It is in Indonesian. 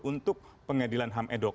untuk pengadilan ham ad hoc